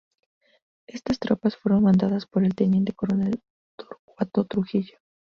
Estas tropas fueron mandadas por el teniente coronel Torcuato Trujillo.